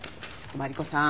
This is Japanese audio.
マリコさん